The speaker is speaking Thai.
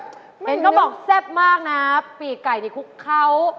เห็นเขาบอกแซ่บมากนะปีกไก่ในคุกเขา